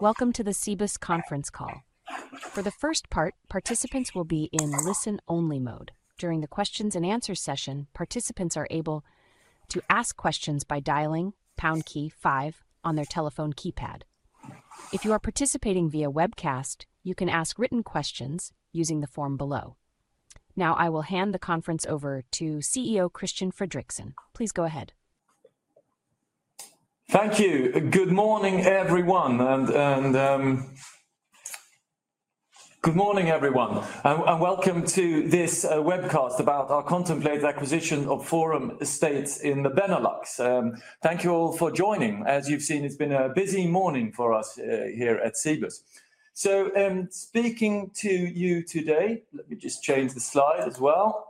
Welcome to the Cibus Conference Call. For the first part, participants will be in listen-only mode. During the questions-and-answers session, participants are able to ask questions by dialing pound key 5 on their telephone keypad. If you are participating via webcast, you can ask written questions using the form below. Now, I will hand the conference over to CEO Christian Fredrixon. Please go ahead. Thank you. Good morning, everyone. And good morning, everyone and welcome to this webcast about our contemplated acquisition of Forum Estates in the Benelux. Thank you all for joining. As you've seen, it's been a busy morning for us here at Cibus. So speaking to you today, let me just change the slide as well.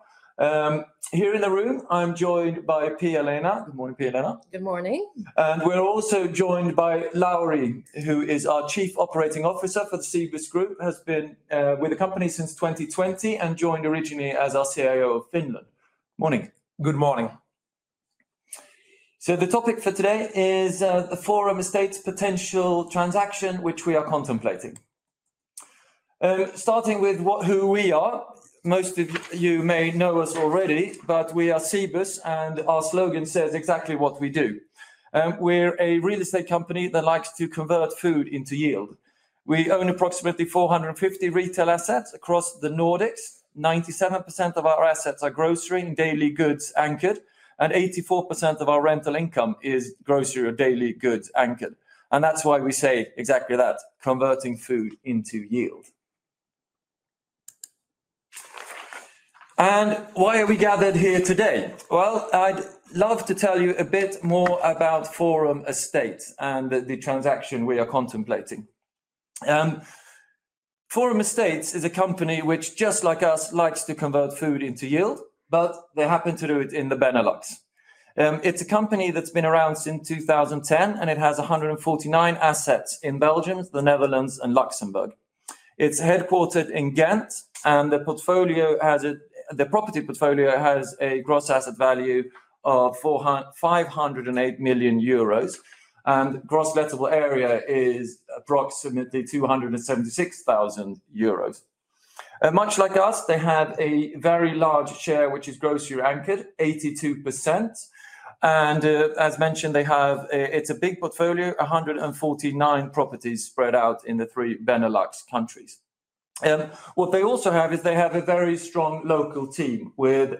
Here in the room, I'm joined by Pia-Lena. Good morning, Pia-Lena. Good morning. We're also joined by Lauri, who is our Chief Operating Officer for the Cibus Group, has been with the company since 2020 and joined originally as our CIO of Finland. Morning. Good morning. So the topic for today is the Forum Estates potential transaction, which we are contemplating. Starting with who we are, most of you may know us already, but we are Cibus, and our slogan says exactly what we do. We're a real estate company that likes to convert food into yield. We own approximately 450 retail assets across the Nordics. 97% of our assets are grocery and daily goods anchored, and 84% of our rental income is grocery or daily goods anchored. And that's why we say exactly that, converting food into yield. And why are we gathered here today? Well, I'd love to tell you a bit more about Forum Estates and the transaction we are contemplating. Forum Estates is a company which, just like us, likes to convert food into yield, but they happen to do it in the Benelux. It's a company that's been around since 2010, and it has 149 assets in Belgium, the Netherlands, and Luxembourg. It's headquartered in Ghent, and the property portfolio has a gross asset value of 508 million euros, and the gross lettable area is approximately 276,000 square meters. As mentioned, it's a big portfolio, 149 properties spread out in the three Benelux countries. What they also have is a very strong local team with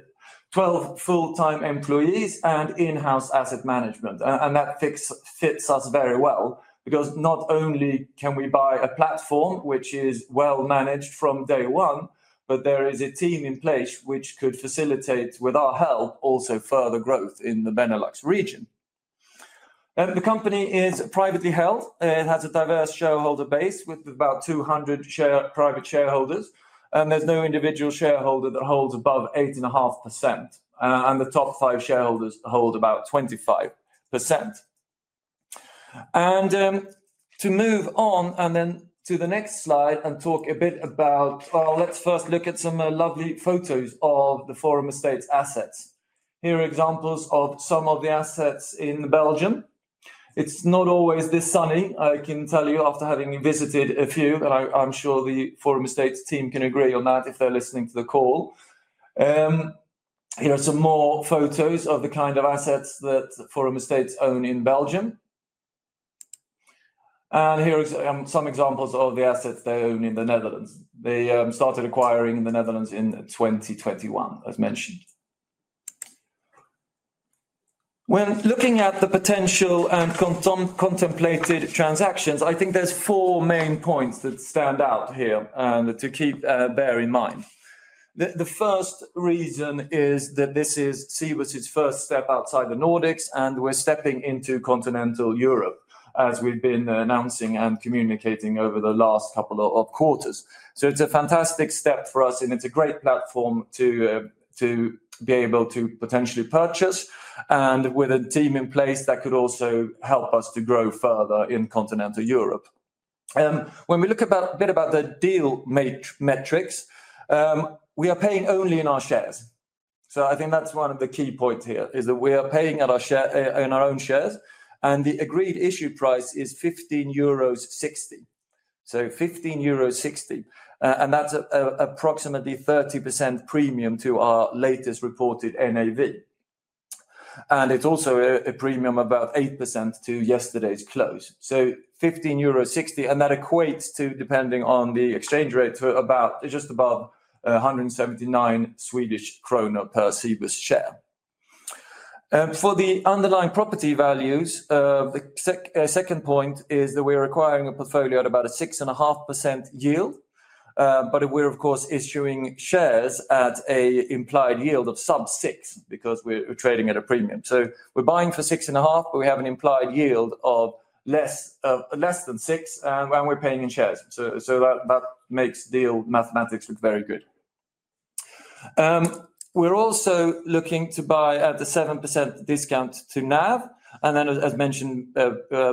12 full-time employees and in-house asset management. That fits us very well because not only can we buy a platform which is well managed from day one, but there is a team in place which could facilitate, with our help, also further growth in the Benelux region. The company is privately held. It has a diverse shareholder base with about 200 private shareholders, and there's no individual shareholder that holds above 8.5%. And the top five shareholders hold about 25%. And, to move on and then to the next slide and talk a bit about, well, let's first look at some lovely photos of the Forum Estates assets. Here are examples of some of the assets in Belgium. It's not always this sunny, I can tell you, after having visited a few, and I'm sure the Forum Estates team can agree on that if they're listening to the call. Here are some more photos of the kind of assets that Forum Estates own in Belgium. And here are some examples of the assets they own in the Netherlands. They started acquiring in the Netherlands in 2021, as mentioned. When looking at the potential and contemplated transactions, I think there's four main points that stand out here and to keep in mind. The first reason is that this is Cibus's first step outside the Nordics, and we're stepping into continental Europe, as we've been announcing and communicating over the last couple of quarters. So it's a fantastic step for us, and it's a great platform to be able to potentially purchase and with a team in place that could also help us to grow further in continental Europe. When we look a bit about the deal metrics, we are paying only in our shares. So I think that's one of the key points here is that we are paying in our own shares, and the agreed issue price is 15.60 euros. So 15.60 euros, and that's approximately a 30% premium to our latest reported NAV. It's also a premium of about 8% to yesterday's close. So 15.60 euros, and that equates to, depending on the exchange rate, about 179 Swedish krona per Cibus share. For the underlying property values, the second point is that we are acquiring a portfolio at about a 6.5% yield. But we're, of course, issuing shares at an implied yield of sub-6% because we're trading at a premium. So we're buying for 6.5, but we have an implied yield of less than 6, and we're paying in shares. So that makes deal mathematics look very good. We're also looking to buy at a 7% discount to NAV, and then, as mentioned,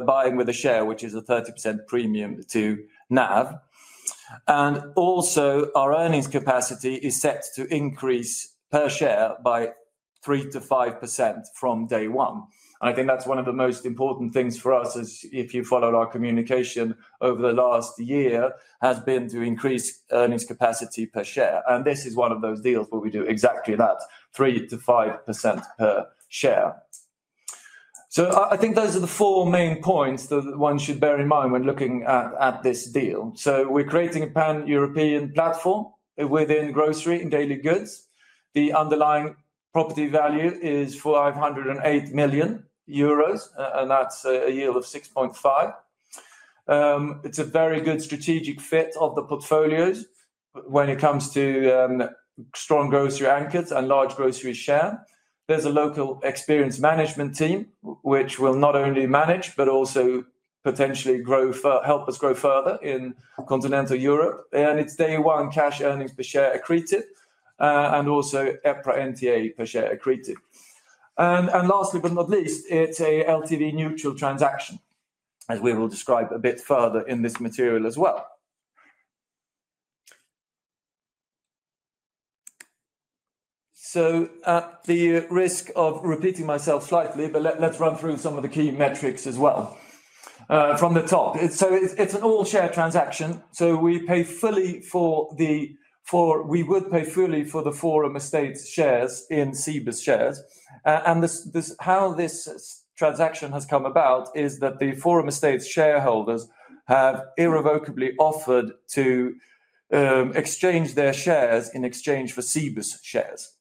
buying with a share, which is a 30% premium to NAV. Also, our earnings capacity is set to increase per share by 3%-5% from day one. I think that's one of the most important things for us, as if you followed our communication over the last year, has been to increase earnings capacity per share. This is one of those deals where we do exactly that, 3%-5% per share. I think those are the four main points that one should bear in mind when looking at this deal. We're creating a pan-European platform within grocery and daily goods. The underlying property value is 508 million euros, and that's a yield of 6.5%. It's a very good strategic fit of the portfolios when it comes to strong grocery anchors and large grocery share. There's a local experienced management team, which will not only manage, but also potentially grow, help us grow further in Continental Europe, and it's day one cash earnings per share accretive, and also EPRA NTA per share accretive, and lastly, but not least, it's a LTV neutral transaction, as we will describe a bit further in this material as well. At the risk of repeating myself slightly, but let's run through some of the key metrics as well. From the top, it's an all-share transaction. We would pay fully for the Forum Estates shares in Cibus shares. This is how this transaction has come about, that the Forum Estates shareholders have irrevocably offered to exchange their shares in exchange for Cibus shares.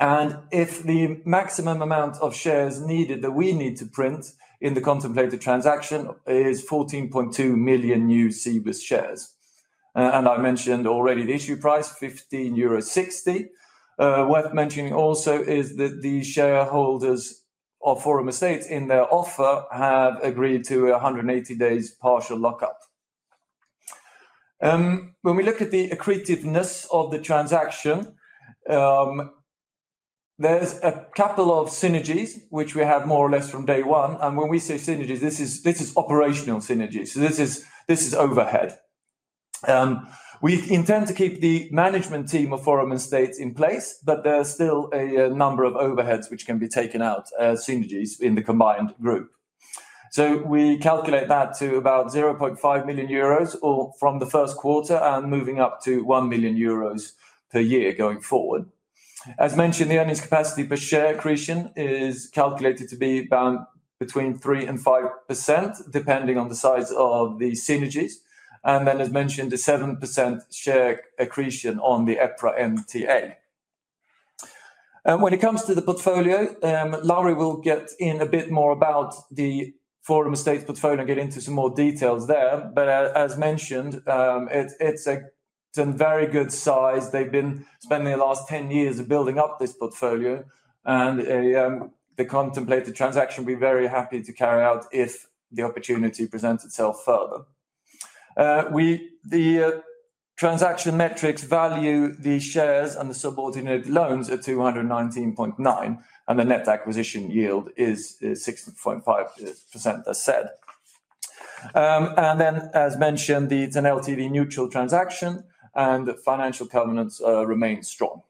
If the maximum amount of shares needed that we need to print in the contemplated transaction is 14.2 million new Cibus shares. I mentioned already the issue price, 15.60 euro. Worth mentioning also is that the shareholders of Forum Estates in their offer have agreed to a 180-day partial lockup. When we look at the accretiveness of the transaction, there's a couple of synergies, which we have more or less from day one. When we say synergies, this is, this is operational synergies. So this is, this is overhead. We intend to keep the management team of Forum Estates in place, but there's still a number of overheads which can be taken out as synergies in the combined group. So we calculate that to about 0.5 million euros from the first quarter and moving up to 1 million euros per year going forward. As mentioned, the earnings capacity per share accretion is calculated to be about between 3% and 5%, depending on the size of the synergies. And then, as mentioned, the 7% share accretion on the EPRA NTA. And when it comes to the portfolio, Lauri will get in a bit more about the Forum Estates portfolio and get into some more details there. But as mentioned, it's a very good size. They've been spending the last 10 years building up this portfolio, and they will be very happy to carry out the contemplated transaction if the opportunity presents itself further. The transaction metrics value the shares and the subordinated loans at 219.9, and the net acquisition yield is 6.5%, as said. And then, as mentioned, it's an LTV neutral transaction, and financial covenants remain strong.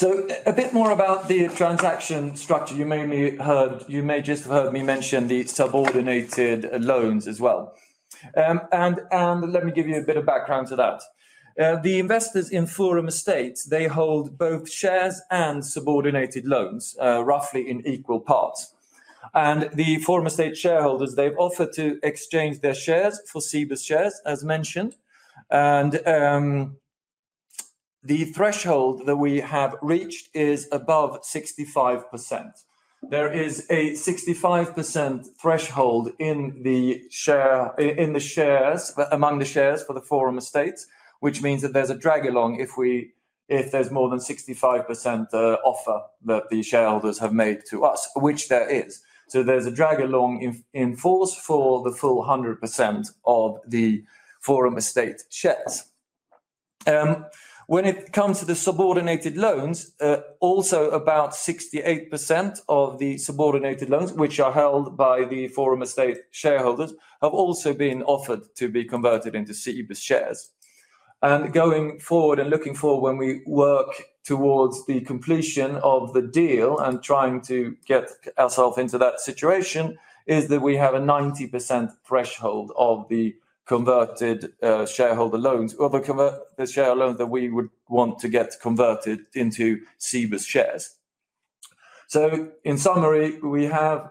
So a bit more about the transaction structure. You may have heard, you may just have heard me mention the subordinated loans as well. And, and let me give you a bit of background to that. The investors in Forum Estates, they hold both shares and subordinated loans, roughly in equal parts. And the Forum Estates shareholders, they've offered to exchange their shares for Cibus shares, as mentioned. And, the threshold that we have reached is above 65%. There is a 65% threshold in the share, in the shares, among the shares for the Forum Estates, which means that there's a drag along if we, if there's more than 65%, offer that the shareholders have made to us, which there is. So there's a drag along in, in force for the full 100% of the Forum Estates shares. When it comes to the subordinated loans, also about 68% of the subordinated loans, which are held by the Forum Estates shareholders, have also been offered to be converted into Cibus shares. And going forward and looking forward, when we work towards the completion of the deal and trying to get ourselves into that situation, is that we have a 90% threshold of the converted, shareholder loans, of the converted shareholders that we would want to get converted into Cibus shares. So in summary, we have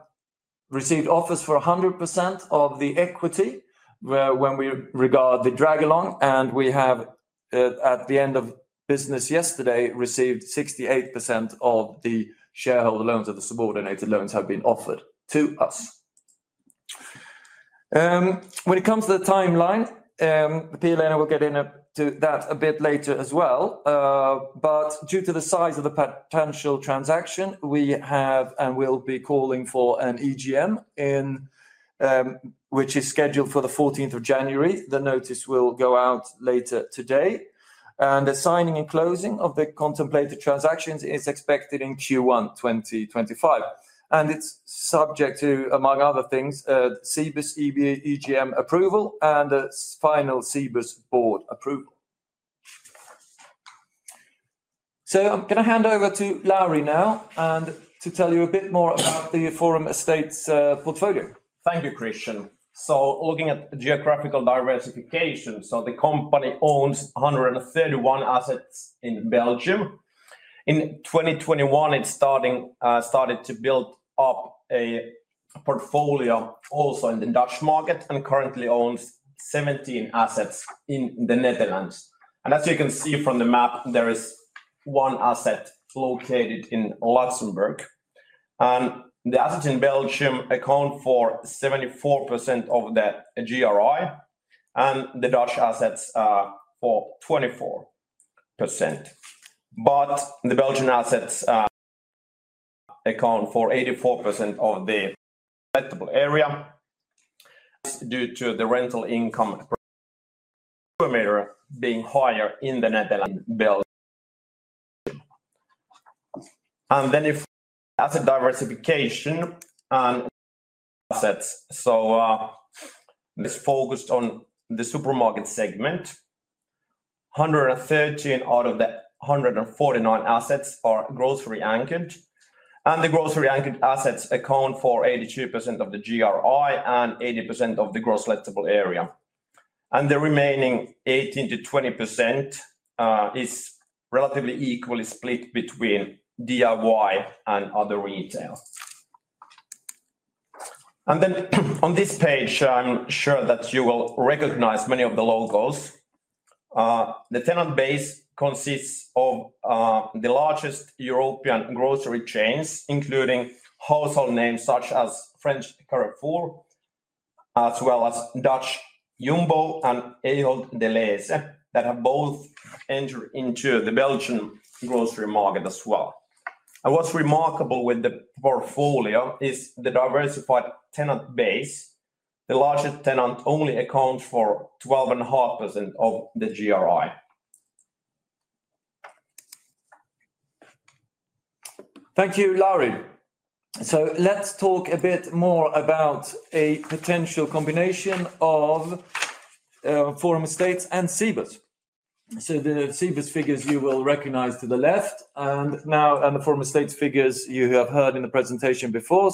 received offers for 100% of the equity when we regard the drag along, and we have, at the end of business yesterday, received 68% of the shareholder loans that the subordinated loans have been offered to us. When it comes to the timeline, Pia-Lena will get into that a bit later as well. But due to the size of the potential transaction, we have and will be calling for an EGM, which is scheduled for the 14th of January. The notice will go out later today. And the signing and closing of the contemplated transactions is expected in Q1 2025. And it's subject to, among other things, Cibus EGM approval and a final Cibus board approval. So I'm going to hand over to Lauri now and to tell you a bit more about the Forum Estates portfolio. Thank you, Christian. So looking at geographical diversification, so the company owns 131 assets in Belgium. In 2021, it started to build up a portfolio also in the Dutch market and currently owns 17 assets in the Netherlands. And as you can see from the map, there is one asset located in Luxembourg. The assets in Belgium account for 74% of the GRI, and the Dutch assets are for 24%. The Belgian assets account for 84% of the lettable area, due to the rental income per meter being higher in the Netherlands than in Belgium. In terms of asset diversification, the assets are focused on the supermarket segment. 113 out of the 149 assets are grocery anchored. The grocery anchored assets account for 82% of the GRI and 80% of the gross lettable area. The remaining 18%-20% is relatively equally split between DIY and other retail. On this page, I'm sure that you will recognize many of the logos. The tenant base consists of the largest European grocery chains, including wholesale names such as French Carrefour, as well as Dutch Jumbo and Ahold Delhaize, that have both entered into the Belgian grocery market as well. What's remarkable with the portfolio is the diversified tenant base. The largest tenant only accounts for 12.5% of the GRI. Thank you, Lauri. Let's talk a bit more about a potential combination of Forum Estates and Cibus. The Cibus figures you will recognize to the left, and the Forum Estates figures you have heard in the presentation before.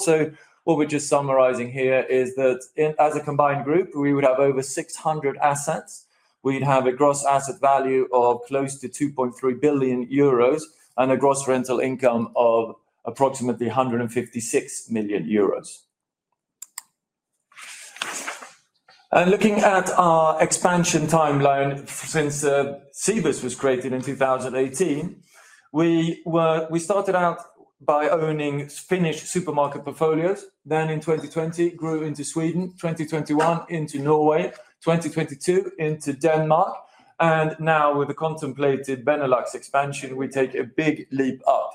What we're just summarizing here is that as a combined group, we would have over 600 assets. We'd have a gross asset value of close to 2.3 billion euros and a gross rental income of approximately 156 million euros. Looking at our expansion timeline since Cibus was created in 2018, we started out by owning Finnish supermarket portfolios, then in 2020 grew into Sweden, 2021 into Norway, 2022 into Denmark, and now with the contemplated Benelux expansion, we take a big leap up,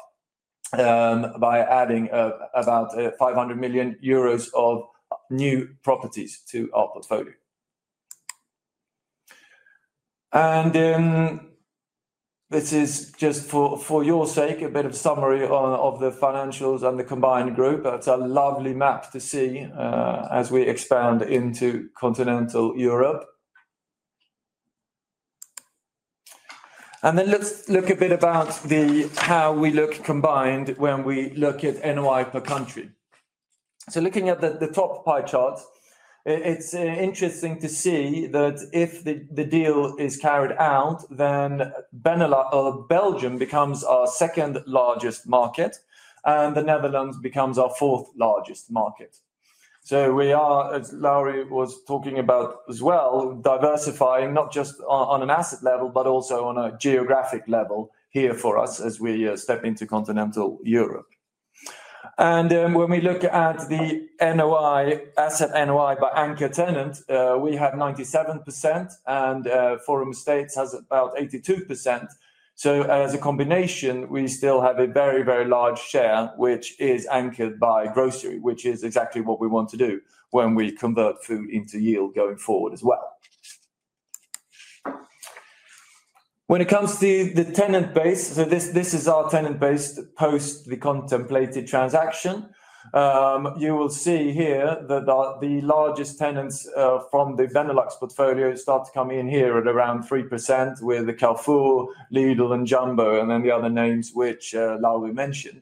by adding about 500 million euros of new properties to our portfolio. This is just for your sake a bit of summary of the financials and the combined group. It's a lovely map to see, as we expand into continental Europe. Let's look a bit about how we look combined when we look at NOI per country. Looking at the top pie chart, it's interesting to see that if the deal is carried out, then Benelux or Belgium becomes our second largest market, and the Netherlands becomes our fourth largest market. So we are, as Lauri was talking about as well, diversifying not just on an asset level, but also on a geographic level here for us as we step into continental Europe. And when we look at the NOI, asset NOI by anchor tenant, we have 97%, and Forum Estates has about 82%. So as a combination, we still have a very, very large share, which is anchored by grocery, which is exactly what we want to do when we convert food into yield going forward as well. When it comes to the tenant base, so this is our tenant base post the contemplated transaction. You will see here that the largest tenants, from the Benelux portfolio start to come in here at around 3% with the Carrefour, Lidl, and Jumbo, and then the other names which Lauri mentioned.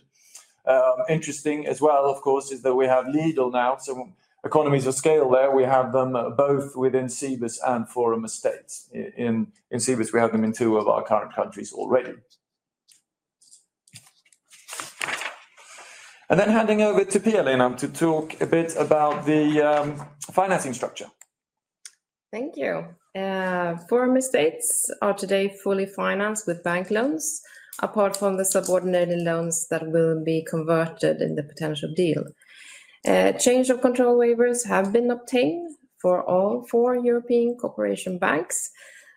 Interesting as well, of course, is that we have Lidl now, so economies of scale there. We have them both within Cibus and Forum Estates. In Cibus, we have them in two of our current countries already. And then handing over to Pia-Lena to talk a bit about the financing structure. Thank you. Forum Estates are today fully financed with bank loans, apart from the subordinated loans that will be converted in the potential deal. Change of control waivers have been obtained for all four European corporate banks,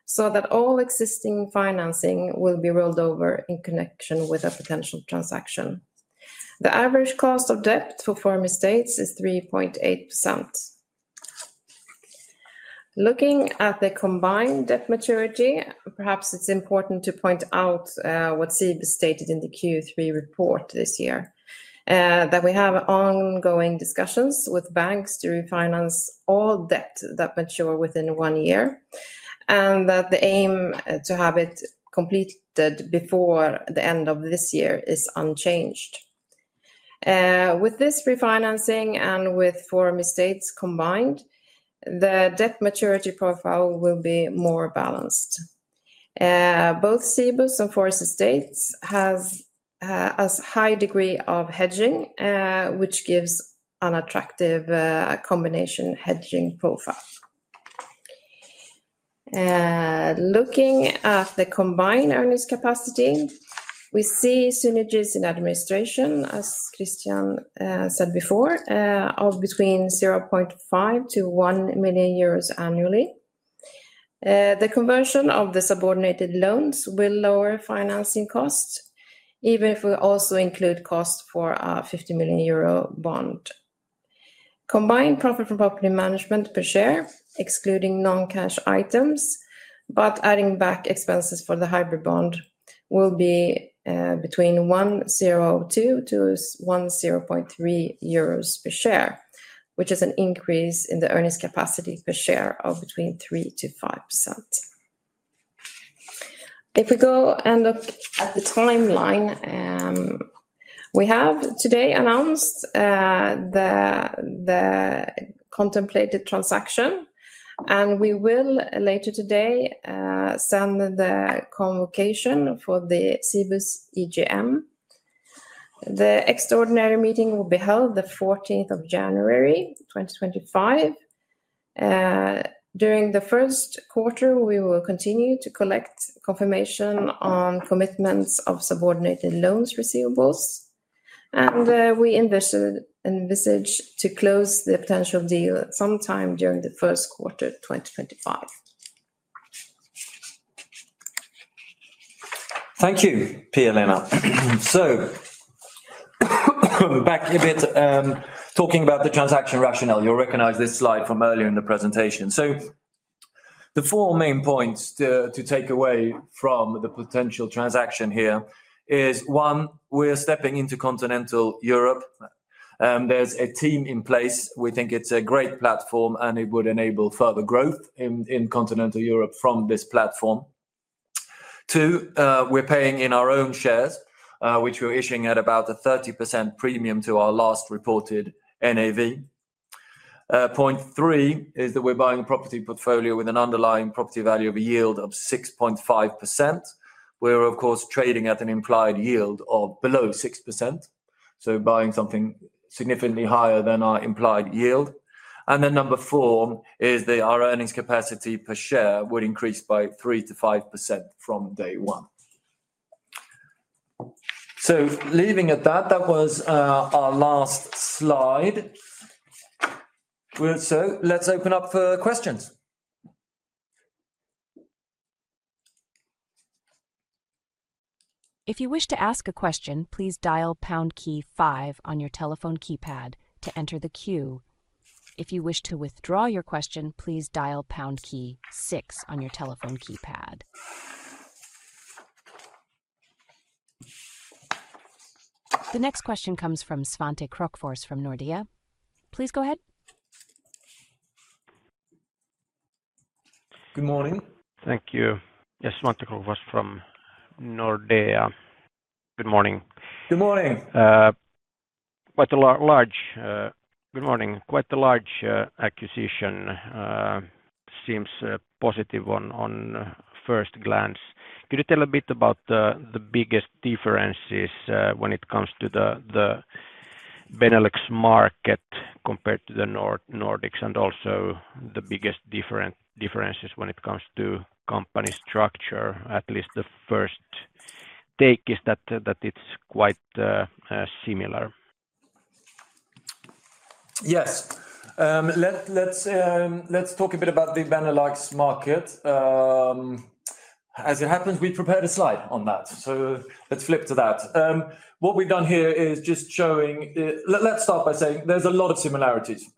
so that all existing financing will be rolled over in connection with a potential transaction. The average cost of debt for Forum Estates is 3.8%. Looking at the combined debt maturity, perhaps it's important to point out what Cibus stated in the Q3 report this year, that we have ongoing discussions with banks to refinance all debt that mature within one year, and that the aim to have it completed before the end of this year is unchanged. With this refinancing and with Forum Estates combined, the debt maturity profile will be more balanced. Both Cibus and Forum Estates have a high degree of hedging, which gives an attractive combination hedging profile. Looking at the combined earnings capacity, we see synergies in administration, as Christian said before, of between 0.5 million to 1 million euros annually. The conversion of the subordinated loans will lower financing costs, even if we also include costs for a 50 million euro bond. Combined profit from property management per share, excluding non-cash items, but adding back expenses for the hybrid bond will be between 10.2 to 10.3 euros per share, which is an increase in the earnings capacity per share of between 3% to 5%. If we go and look at the timeline, we have today announced the contemplated transaction, and we will later today send the convocation for the Cibus EGM. The extraordinary meeting will be held the 14th of January, 2025. During the first quarter, we will continue to collect confirmation on commitments of subordinated loans receivables, and we envisage to close the potential deal sometime during the first quarter of 2025. Thank you, Pia-Lena. So back a bit, talking about the transaction rationale, you'll recognize this slide from earlier in the presentation. So the four main points to take away from the potential transaction here is one, we're stepping into Continental Europe. There's a team in place. We think it's a great platform, and it would enable further growth in Continental Europe from this platform. Two, we're paying in our own shares, which we're issuing at about a 30% premium to our last reported NAV. Point three is that we're buying a property portfolio with an underlying property value of a yield of 6.5%. We're, of course, trading at an implied yield of below 6%, so buying something significantly higher than our implied yield. And then number four is that our earnings capacity per share would increase by 3%-5% from day one. So leaving at that, that was our last slide. So let's open up for questions. If you wish to ask a question, please dial pound key five on your telephone keypad to enter the queue. If you wish to withdraw your question, please dial pound key six on your telephone keypad. The next question comes from Svante Krokfors from Nordea. Please go ahead. Good morning. Thank you. Yes, Svante Krokfors from Nordea. Good morning. Good morning. Quite a large acquisition, seems positive on first glance. Could you tell a bit about the biggest differences when it comes to the Benelux market compared to the Nordics and also the biggest differences when it comes to company structure? At least the first take is that it's quite similar. Yes. Let's talk a bit about the Benelux market. As it happens, we prepared a slide on that, so let's flip to that. What we've done here is just showing. Let's start by saying there's a lot of similarities,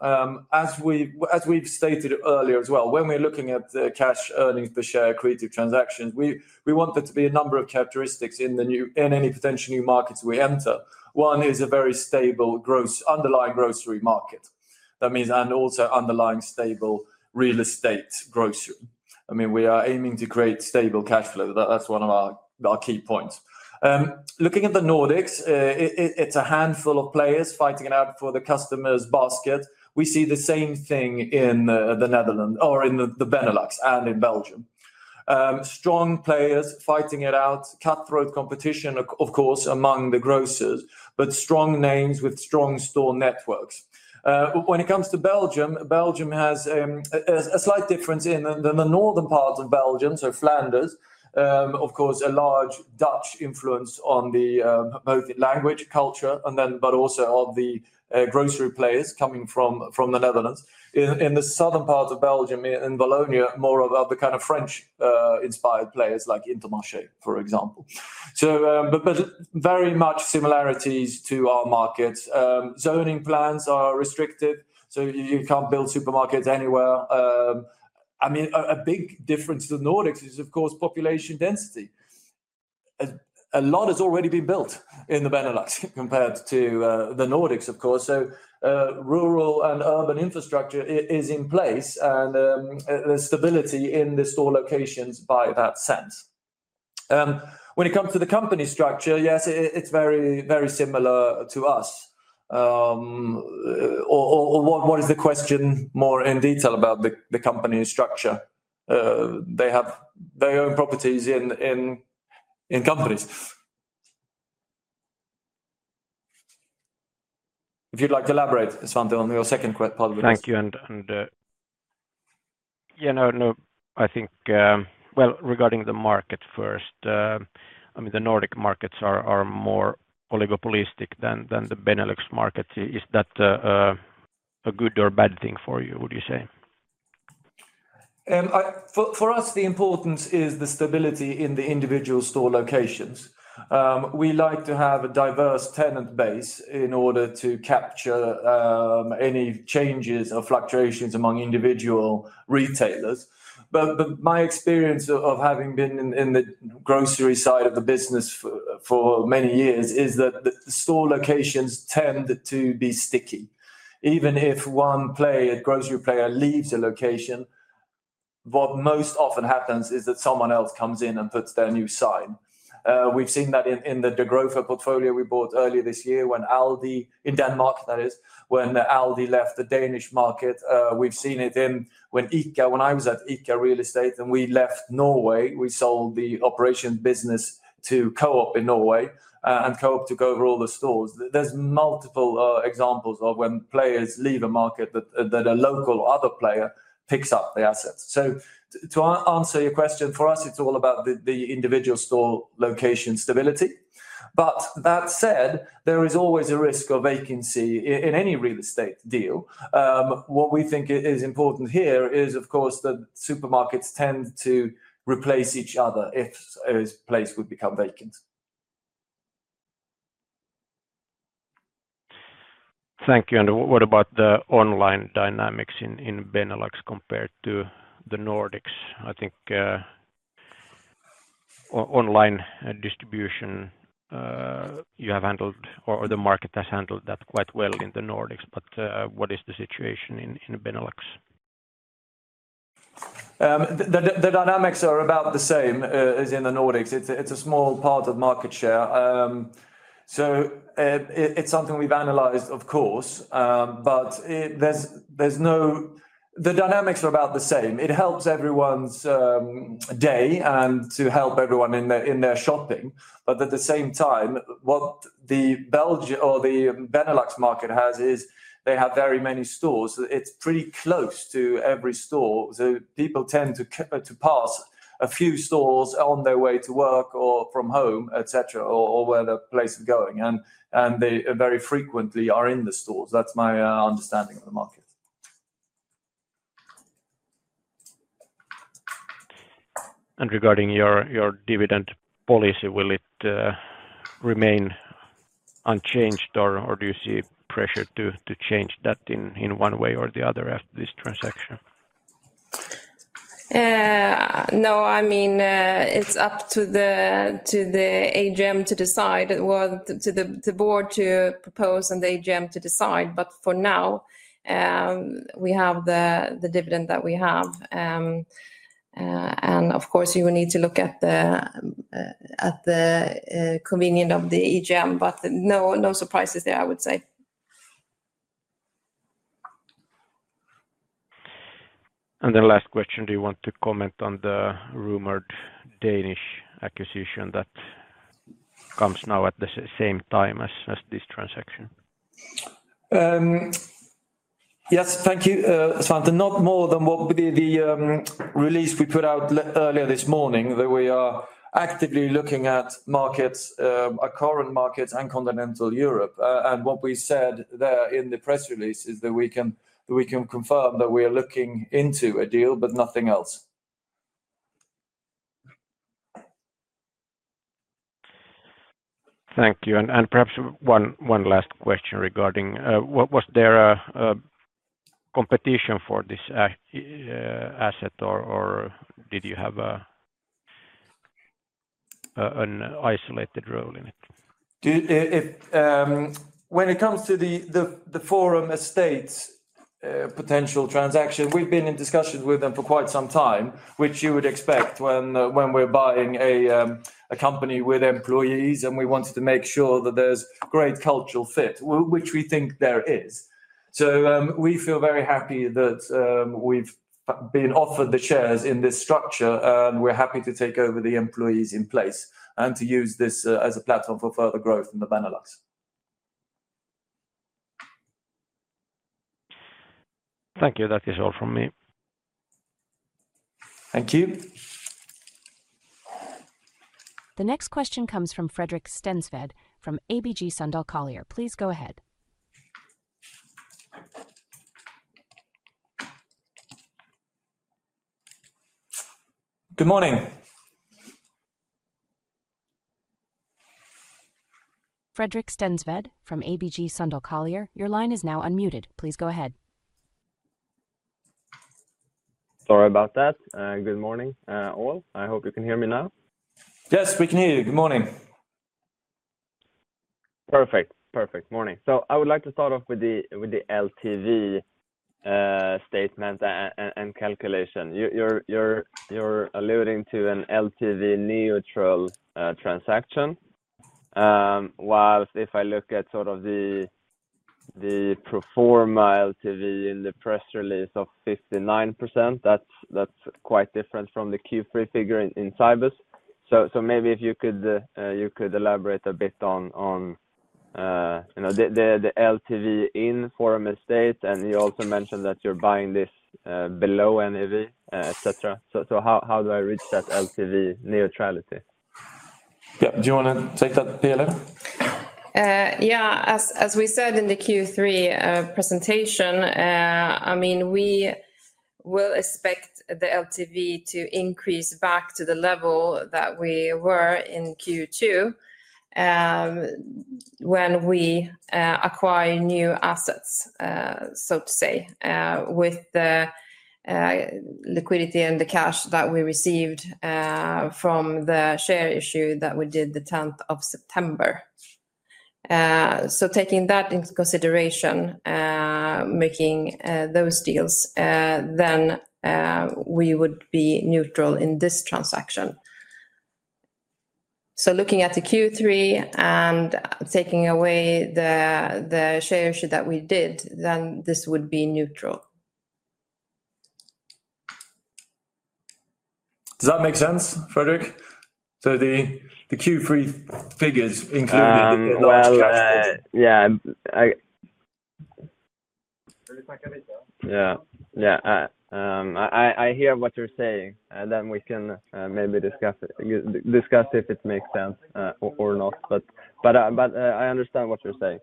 as we've stated earlier as well. When we're looking at the cash earnings per share accretive transactions, we want there to be a number of characteristics in the new, in any potential new markets we enter. One is a very stable strong underlying grocery market. That means, and also underlying stable real estate grocery. I mean, we are aiming to create stable cash flow. That's one of our key points. Looking at the Nordics, it's a handful of players fighting it out for the customer's basket. We see the same thing in the Netherlands or in the Benelux and in Belgium. Strong players fighting it out, cutthroat competition, of course, among the grocers, but strong names with strong store networks. When it comes to Belgium, Belgium has a slight difference in the northern part of Belgium, so Flanders, of course, a large Dutch influence on both language, culture, and then but also of the grocery players coming from the Netherlands. In the southern part of Belgium, in Wallonia, more of the kind of French-inspired players like Intermarché, for example. So but very much similarities to our markets. Zoning plans are restrictive, so you can't build supermarkets anywhere. I mean, a big difference to the Nordics is, of course, population density. A lot has already been built in the Benelux compared to the Nordics, of course. So, rural and urban infrastructure is in place, and the stability in the store locations in that sense. When it comes to the company structure, yes, it's very, very similar to us. What is the question more in detail about the company structure? They have their own properties in companies. If you'd like to elaborate, Svante, on your second question. Thank you. I think, well, regarding the market first, I mean, the Nordic markets are more oligopolistic than the Benelux market. Is that a good or bad thing for you, would you say? For us, the importance is the stability in the individual store locations. We like to have a diverse tenant base in order to capture any changes or fluctuations among individual retailers. But my experience of having been in the grocery side of the business for many years is that the store locations tend to be sticky. Even if one player, grocery player, leaves a location, what most often happens is that someone else comes in and puts their new sign. We've seen that in the Dagrofa portfolio we bought earlier this year when Aldi in Denmark, that is, when Aldi left the Danish market. We've seen it in when ICA, when I was at ICA Real Estate, and we left Norway, we sold the operation business to Coop in Norway, and Coop took over all the stores. There's multiple examples of when players leave a market that a local or other player picks up the assets. So to answer your question, for us, it's all about the individual store location stability. But that said, there is always a risk of vacancy in any real estate deal. What we think is important here is, of course, that supermarkets tend to replace each other if a place would become vacant. Thank you. And what about the online dynamics in Benelux compared to the Nordics? I think online distribution, you have handled, or the market has handled that quite well in the Nordics. But what is the situation in Benelux? The dynamics are about the same as in the Nordics. It's a small part of market share. So it's something we've analyzed, of course, but there's no, the dynamics are about the same. It helps everyone's day and to help everyone in their shopping. But at the same time, what the Belgian or the Benelux market has is they have very many stores. It's pretty close to every store. So people tend to pass a few stores on their way to work or from home, et cetera, or where the place is going. And they very frequently are in the stores. That's my understanding of the market. And regarding your dividend policy, will it remain unchanged, or do you see pressure to change that in one way or the other after this transaction? No, I mean, it's up to the AGM to decide, well, to the board to propose and the AGM to decide. But for now, we have the dividend that we have. And of course, you will need to look at the convening of the AGM, but no surprises there, I would say. The last question, do you want to comment on the rumored Danish acquisition that comes now at the same time as this transaction? Yes, thank you, Svante. Not more than what the release we put out earlier this morning, that we are actively looking at markets, our current markets and Continental Europe. And what we said there in the press release is that we can confirm that we are looking into a deal, but nothing else. Thank you. And perhaps one last question regarding, was there a competition for this asset, or did you have an isolated role in it? When it comes to the Forum Estates potential transaction, we've been in discussion with them for quite some time, which you would expect when we're buying a company with employees, and we wanted to make sure that there's great cultural fit, which we think there is. So, we feel very happy that we've been offered the shares in this structure, and we're happy to take over the employees in place and to use this as a platform for further growth in the Benelux. Thank you. That is all from me. Thank you. The next question comes from Fredrik Stensved from ABG Sundal Collier. Please go ahead. Good morning. Fredrik Stensved from ABG Sundal Collier. Your line is now unmuted. Please go ahead. Sorry about that. Good morning, all. I hope you can hear me now. Yes, we can hear you. Good morning. Perfect. Perfect. Morning. So I would like to start off with the LTV statement and calculation. You're alluding to an LTV neutral transaction. While if I look at sort of the pro forma LTV in the press release of 59%, that's quite different from the Q3 figure in Cibus. So maybe if you could elaborate a bit on you know the LTV in Forum Estates, and you also mentioned that you're buying this below NAV, et cetera. So how do I reach that LTV neutrality? Yeah. Do you want to take that, Pia-Lena? Yeah. As we said in the Q3 presentation, I mean, we will expect the LTV to increase back to the level that we were in Q2, when we acquire new assets, so to say, with the liquidity and the cash that we received from the share issue that we did the 10th of September. So taking that into consideration, making those deals, then we would be neutral in this transaction. So looking at the Q3 and taking away the share issue that we did, then this would be neutral. Does that make sense, Fredrik? So the Q3 figures include the large cash. Yeah. Yeah. Yeah. Yeah. I hear what you're saying, and then we can maybe discuss if it makes sense or not. But I understand what you're saying.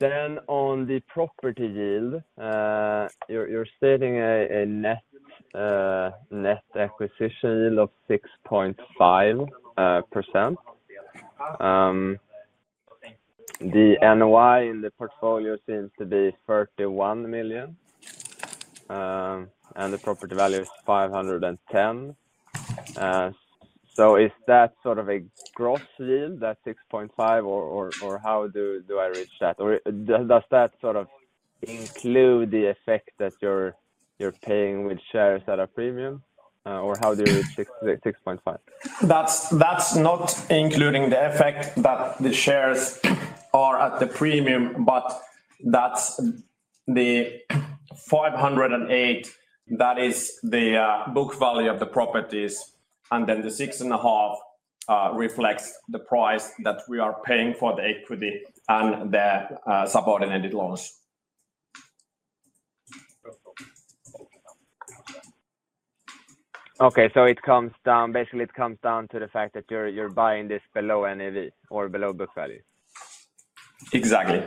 Then on the property yield, you're stating a net acquisition yield of 6.5%. The NOI in the portfolio seems to be 31 million, and the property value is 510 million. So is that sort of a gross yield, that 6.5%, or how do I reach that? Or does that sort of include the effect that you're paying with shares at a premium? Or how do you reach 6.5%? That's not including the effect that the shares are at the premium, but that's the 508 million, that is the book value of the properties, and then the 6.5% reflects the price that we are paying for the equity and the subordinated loans. Okay. So it comes down, basically, to the fact that you're buying this below NAV or below book value. Exactly.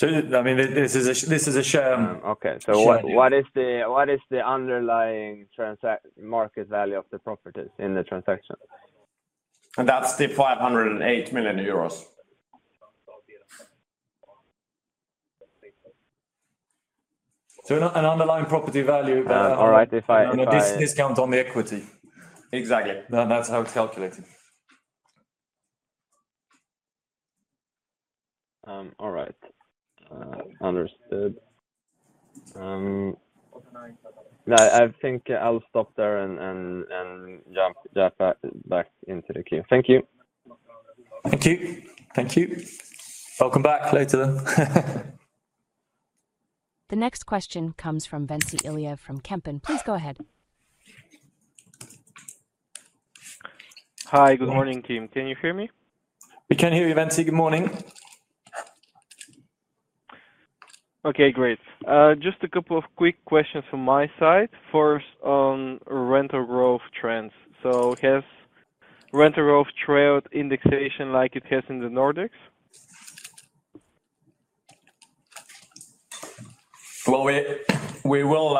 So I mean, this is a share. Okay. So what is the underlying transaction market value of the properties in the transaction? And that's EUR 508 million. So an underlying property value. All right. If I. No, no, discount on the equity. Exactly. That's how it's calculated. All right. Understood. I think I'll stop there and jump back into the queue. Thank you. Welcome back later then. The next question comes from Ventsi Iliev from Kempen. Please go ahead. Hi. Good morning, team. Can you hear me? We can hear you, Ventsi. Good morning. Okay. Great. Just a couple of quick questions from my side. First, on rental growth trends. So has rental growth trailed indexation like it has in the Nordics? Well, we will,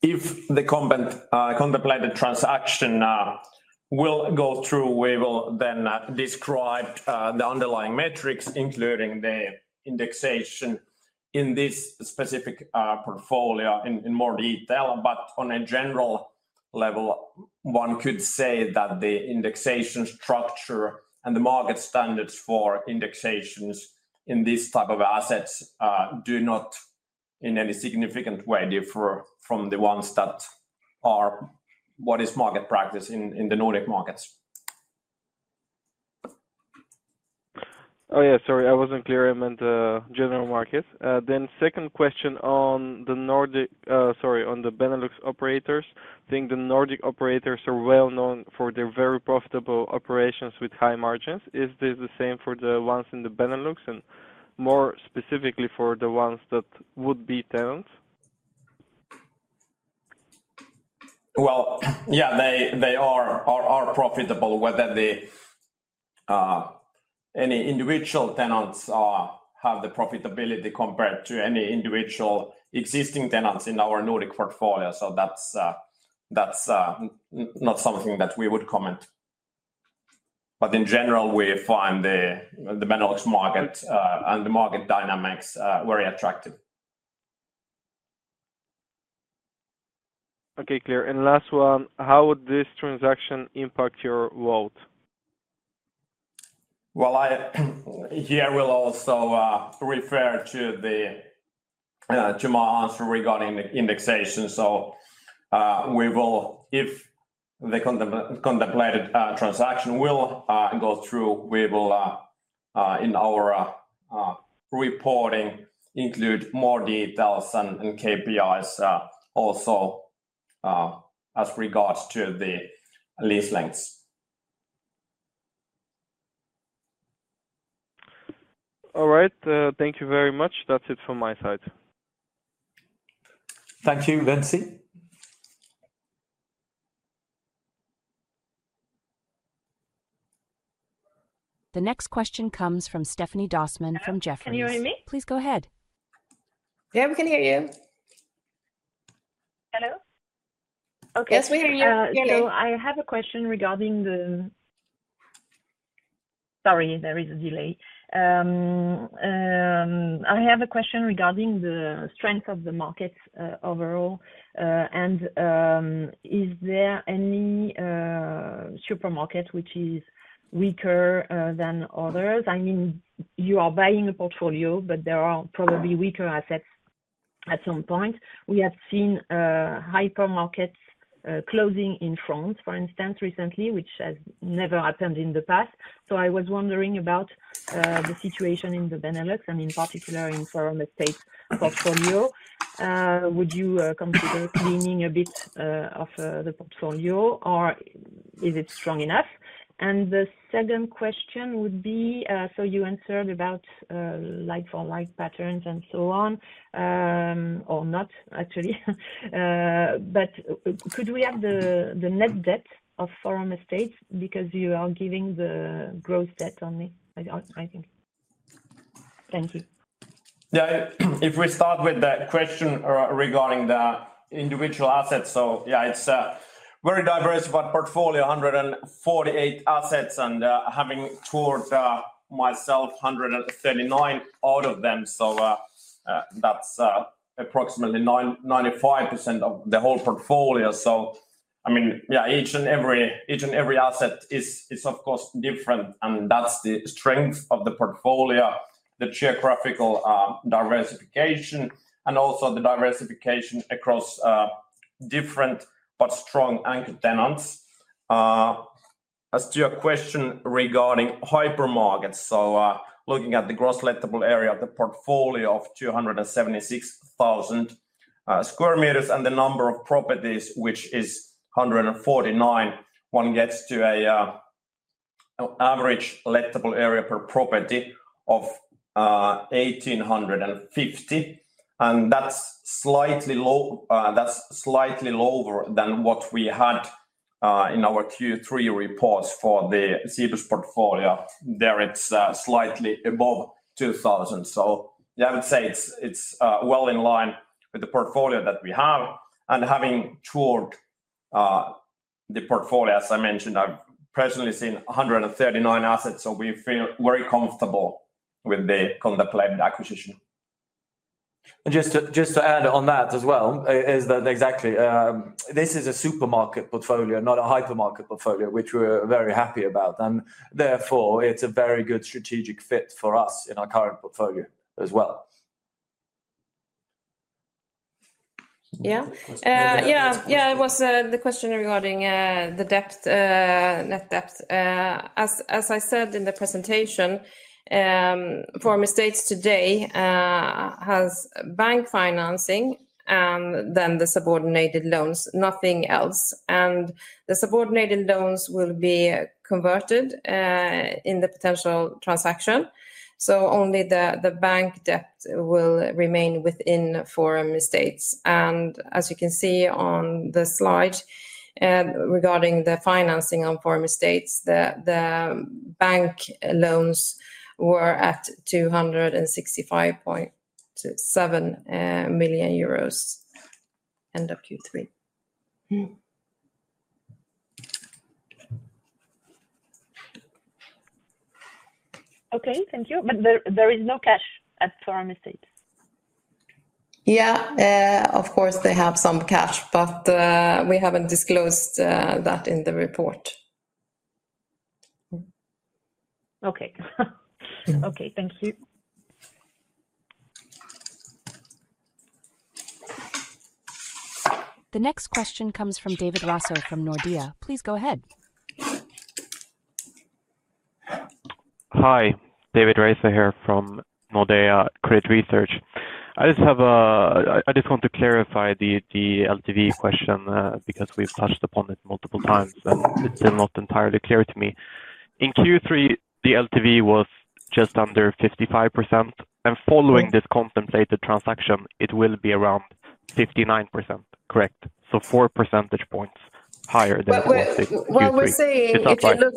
if the company contemplates the transaction, go through, then describe the underlying metrics, including the indexation in this specific portfolio in more detail. But on a general level, one could say that the indexation structure and the market standards for indexations in this type of assets do not in any significant way differ from the ones that are what is market practice in the Nordic markets. Oh, yeah. Sorry. I wasn't clear. I meant the general markets. Then second question on the Nordic, sorry, on the Benelux operators. I think the Nordic operators are well known for their very profitable operations with high margins. Is this the same for the ones in the Benelux and more specifically for the ones that would be tenants? Yeah, they are profitable, whether any individual tenants have the profitability compared to any individual existing tenants in our Nordic portfolio. So that's not something that we would comment. But in general, we find the Benelux market and the market dynamics very attractive. Okay. Clear. And last one, how would this transaction impact your NAV? Well, I will also refer to my answer regarding the indexation. So, we will, if the contemplated transaction goes through, we will in our reporting include more details and KPIs also as regards to the lease lengths. All right. Thank you very much. That's it from my side. Thank you, Ventsi. The next question comes from Stephanie Dossmann from Jefferies. Can you hear me? Please go ahead. Yeah, we can hear you. Hello? Okay. Yes, we hear you. Hello. I have a question regarding the strength of the markets overall, and is there any supermarket which is weaker than others? I mean, you are buying a portfolio, but there are probably weaker assets at some point. We have seen hypermarkets closing in France, for instance, recently, which has never happened in the past. So I was wondering about the situation in the Benelux, and in particular in Forum Estates portfolio. Would you consider cleaning a bit of the portfolio, or is it strong enough? And the second question would be, so you answered about like-for-like patterns and so on, or not, actually. But could we have the net debt of Forum Estates because you are giving the gross debt only, I think? Thank you. Yeah. If we start with that question regarding the individual assets, so yeah, it's a very diversified portfolio, 148 assets, and having toured myself 139 out of them. So that's approximately 95% of the whole portfolio. So I mean yeah, each and every, each and every asset is, is of course different, and that's the strength of the portfolio, the geographical diversification, and also the diversification across different but strong anchor tenants. As to your question regarding hypermarkets, so looking at the gross lettable area of the portfolio of 276,000 square meters and the number of properties, which is 149, one gets to an average lettable area per property of 1,850. And that's slightly low, that's slightly lower than what we had in our Q3 reports for the Cibus portfolio. There it's slightly above 2,000. So yeah, I would say it's, it's well in line with the portfolio that we have. And having toured the portfolio, as I mentioned, I've personally seen 139 assets, so we feel very comfortable with the contemplated acquisition. And just to add on that as well, is that exactly this is a supermarket portfolio, not a hypermarket portfolio, which we're very happy about. And therefore, it's a very good strategic fit for us in our current portfolio as well. Yeah. Yeah. Yeah. It was the question regarding the debt, net debt. As I said in the presentation, Forum Estates today has bank financing and then the subordinated loans, nothing else. And the subordinated loans will be converted in the potential transaction. So only the bank debt will remain within Forum Estates. And as you can see on the slide, regarding the financing on Forum Estates, the bank loans were at 265.7 million euros end of Q3. Okay. Thank you. But there is no cash at Forum Estates. Yeah. Of course they have some cash, but we haven't disclosed that in the report. Okay. Thank you. The next question comes from David Råås from Nordea. Please go ahead. Hi. David Råås here from Nordea Credit Research. I just want to clarify the LTV question, because we've touched upon it multiple times, and it's still not entirely clear to me. In Q3, the LTV was just under 55%, and following this contemplated transaction, it will be around 59%, correct? So 4 percentage points higher than the Q3. What we're saying, if you look,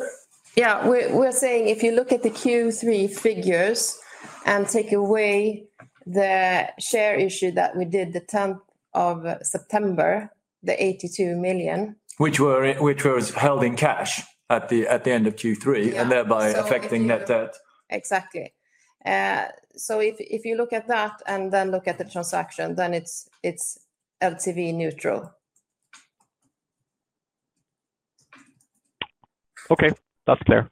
yeah, we're saying if you look at the Q3 figures and take away the share issue that we did the 10th of September, the 82 million. Which was held in cash at the end of Q3 and thereby affecting net debt. Exactly. So if you look at that and then look at the transaction, then it's LTV neutral. Okay. That's clear.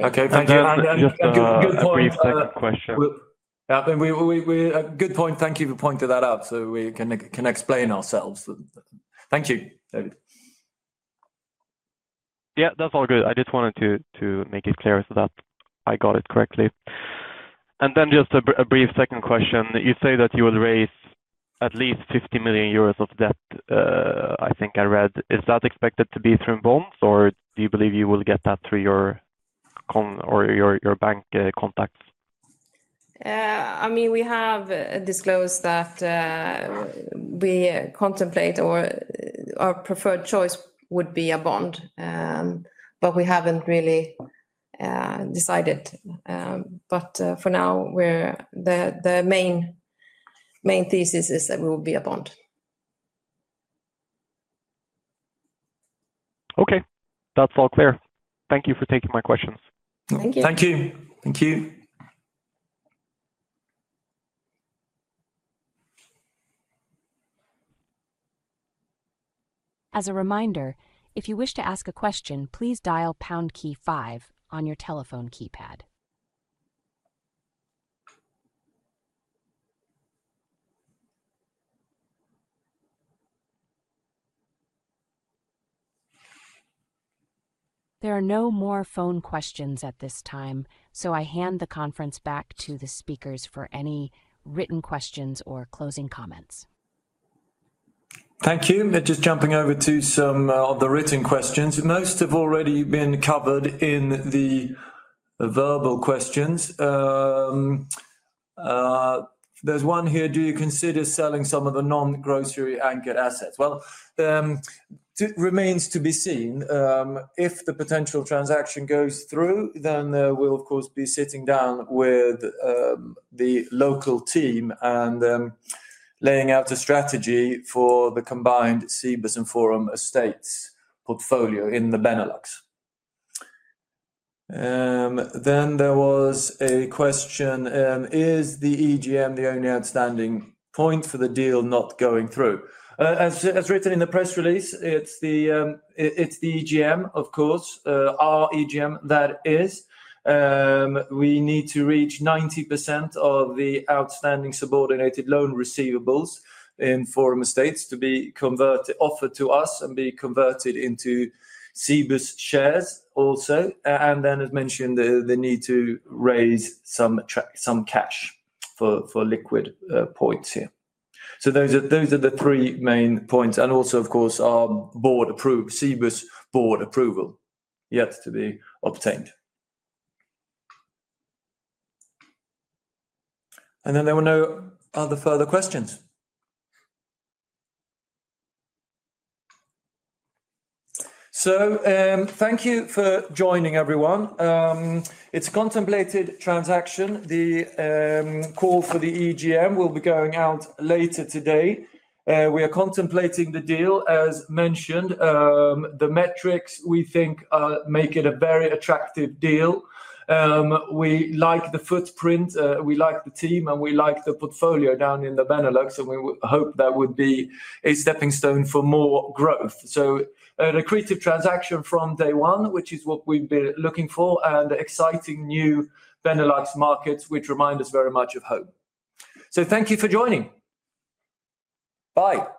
Okay. Thank you. And just a brief second question. Yeah. I mean, we're at a good point. Thank you for pointing that out so we can explain ourselves. Thank you, David. Yeah. That's all good. I just wanted to make it clear so that I got it correctly. And then just a brief second question. You say that you will raise at least 50 million euros of debt, I think I read. Is that expected to be through bonds, or do you believe you will get that through your consortium or your bank contacts? I mean, we have disclosed that, we contemplate or our preferred choice would be a bond, but we haven't really decided. But for now, the main thesis is that we will be a bond. Okay. That's all clear. Thank you for taking my questions. Thank you. Thank you. Thank you. As a reminder, if you wish to ask a question, please dial pound key five on your telephone keypad. There are no more phone questions at this time, so I hand the conference back to the speakers for any written questions or closing comments. Thank you. Just jumping over to some of the written questions. Most have already been covered in the verbal questions. There's one here. Do you consider selling some of the non-grocery anchor assets? Well, it remains to be seen. If the potential transaction goes through, then there will, of course, be sitting down with the local team and laying out a strategy for the combined Cibus and Forum Estates portfolio in the Benelux. Then there was a question. Is the EGM the only outstanding point for the deal not going through? As written in the press release, it's the EGM, of course, our EGM that is. We need to reach 90% of the outstanding subordinated loan receivables in Forum Estates to be converted, offered to us and be converted into Cibus shares also. And then as mentioned, the need to raise some equity, some cash for liquidity purposes here. So those are those the three main points. And also, of course, our board approval, Cibus board approval yet to be obtained. And then there were no other further questions. So, thank you for joining, everyone. It's a contemplated transaction. The call for the EGM will be going out later today. We are contemplating the deal, as mentioned. The metrics we think make it a very attractive deal. We like the footprint, we like the team, and we like the portfolio down in the Benelux, and we hope that would be a stepping stone for more growth. So a creative transaction from day one, which is what we've been looking for, and exciting new Benelux markets, which remind us very much of home. So thank you for joining. Bye.